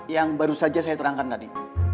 yang baru saja saya terangkan tadi